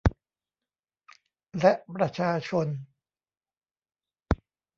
และประชาชน